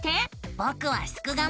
ぼくはすくがミ。